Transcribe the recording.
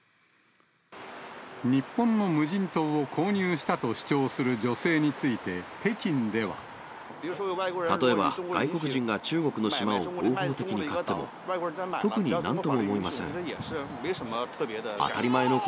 日本の無人島を購入したと主例えば、外国人が中国の島を合法的に買っても、特になんとも思いません。